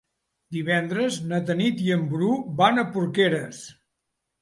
Divendres na Tanit i en Bru van a Porqueres.